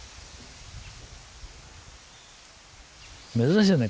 珍しいよね？